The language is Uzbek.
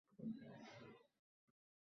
Orqasidan qaqshab-titrab qichqirdim: